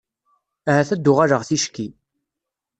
Ahat ad d-uɣaleɣ ticki.